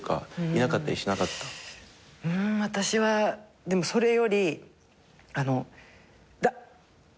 私はでもそれより「抑えて。